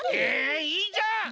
えいいじゃん。